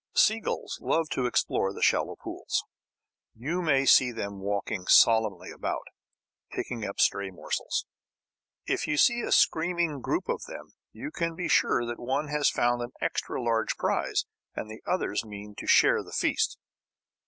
Seagulls love to explore the shallow pools. You may see them walking solemnly about, picking up stray morsels. If you see a screaming group of them you can be sure that one has found an extra large prize, and the others mean to share the feast.